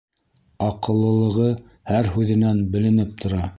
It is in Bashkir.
Аҡыллылығы һәр һүҙенән беленеп тора.